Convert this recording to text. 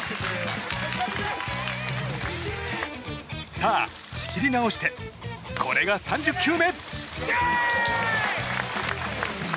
さあ、仕切り直してこれが３０球目。